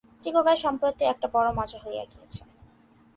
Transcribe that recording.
চিকাগোয় সম্প্রতি একটা বড় মজা হইয়া গিয়াছে।